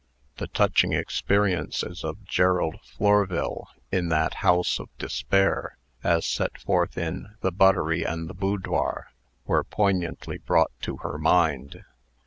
The touching experiences of Gerald Florville in that house of despair as set forth in "The Buttery and the Boudoir" were poignantly brought to her mind.